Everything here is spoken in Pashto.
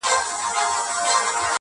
ور نیژدې یوه جاله سوه په څپو کي-